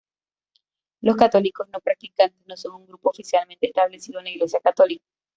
Los católicos no practicantes no son un grupo oficialmente establecido en la Iglesia católica.